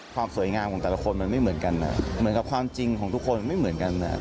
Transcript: ความสวยงามของแต่ละคนมันไม่เหมือนกันเหมือนกับความจริงของทุกคนไม่เหมือนกัน